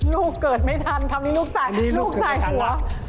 ลูกเกิดไม่ทันคำนี้ลูกใส่หัว